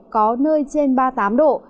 có nơi trên ba mươi tám độ